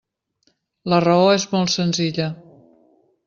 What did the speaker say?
La raó és molt senzilla.